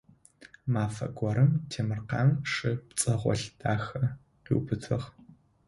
Мафэ горэм Темиркъан шы пцӀэгъоплъ дахэ къыубытыгъ.